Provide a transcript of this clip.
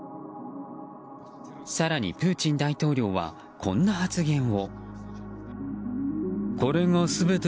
更に、プーチン大統領はこんな発言を。